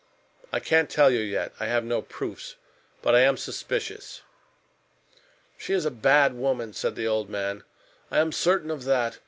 "I can't tell you yet. I have no proofs. But I am suspicious." "She is a bad woman," said the old man. "I am certain of that.